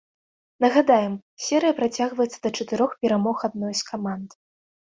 Нагадаем, серыя працягваецца да чатырох перамог адной з каманд.